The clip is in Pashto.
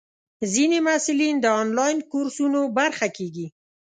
ځینې محصلین د انلاین کورسونو برخه کېږي.